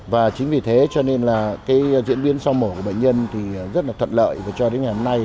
và chính vì thế cho nên diễn biến sau mổ của bệnh nhân rất thuận lợi và cho đến ngày hôm nay